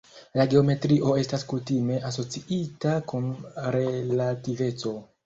La geometrio estas kutime asociita kun relativeco.